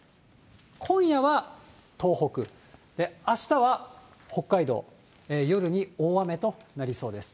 今夜は東北、あしたは北海道、夜に大雨となりそうです。